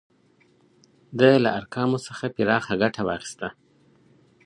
ده له ارقامو څخه پراخه ګټه واخیسته.